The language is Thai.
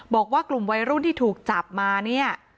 บอกว่ากลุ่มวัยรุ่นที่ถูกจับมาเนี่ย